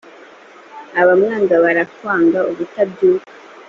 abamwanga barakagwa ubutabyuka.